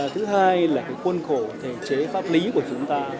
thứ hai là cái khuôn khổ thể chế pháp lý của chúng ta